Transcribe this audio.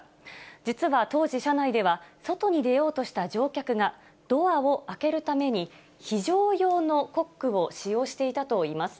実は当時、車内では、外に出ようとした乗客がドアを開けるために、非常用のコックを使用していたといいます。